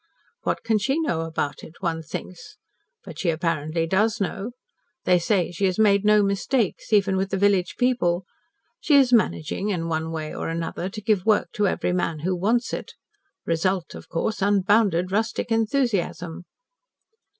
What can she know about it, one thinks. But she apparently does know. They say she has made no mistakes even with the village people. She is managing, in one way or another, to give work to every man who wants it. Result, of course unbounded rustic enthusiasm."